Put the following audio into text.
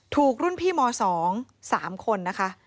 ถูกรุ่นพี่ม๒๓คนนะคะ